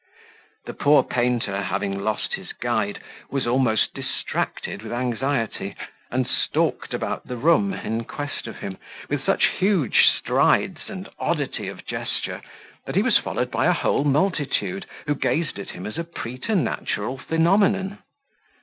The poor painter, having lost his guide, was almost distracted with anxiety, and stalked about the room, in quest of him, with such huge strides and oddity of gesture, that he was followed by a whole multitude, who gazed at him as a preternatural phenomenon.